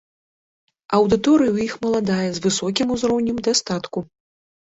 Аўдыторыя ў іх маладая з высокім узроўнем дастатку.